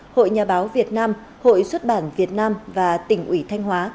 hội nhà báo việt nam hội xuất bản việt nam và tỉnh ủy thanh hóa